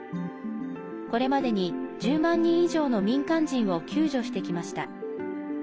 これまでに１０万人以上の民間人を救助してきました。